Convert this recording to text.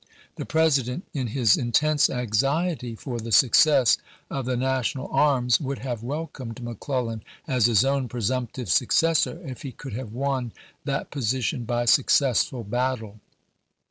The President, in his intense anxiety for the success of the national arms, would have welcomed McClellan as his own presumptive successor if he could have won that position by successful battle.